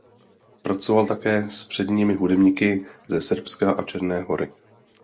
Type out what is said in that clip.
Pracovala také s předními hudebníky ze Srbska a Černé Hory.